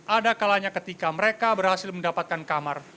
ada kalanya ketika mereka berhasil mendapatkan kamar